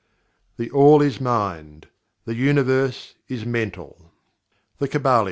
"THE ALL is MIND; The Universe is Mental." The Kybalion.